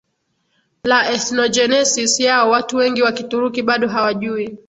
la ethnogenesis yao watu wengi wa Kituruki bado hawajui